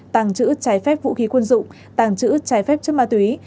tàng trữ trái phép vũ khí quân dụng tàng trữ trái phép chất ma túy